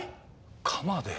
鎌で？